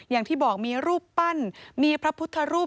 อย่างที่บอกมีรูปปั้นมีพระพุทธรูป